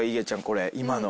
これ今の。